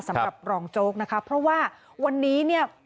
สำหรับรองโจ๊กนะคะเพราะว่าวันนี้เนี่ย